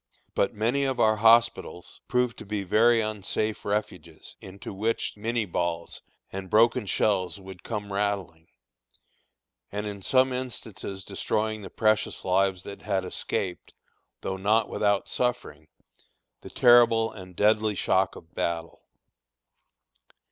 But many of our hospitals proved to be very unsafe refuges, into which Minié balls and broken shells would come rattling, and in some instances destroying the precious lives that had escaped though not without suffering the terrible and deadly shock of battle.